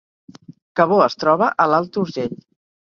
Cabó es troba a l’Alt Urgell